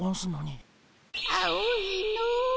青いの。